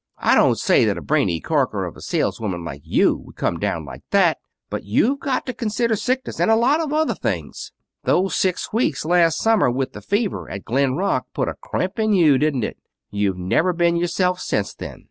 I don't say that a brainy corker of a saleswoman like you would come down like that. But you've got to consider sickness and a lot of other things. Those six weeks last summer with the fever at Glen Rock put a crimp in you, didn't it? You've never been yourself since then.